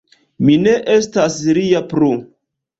Mi ne estas lia plu.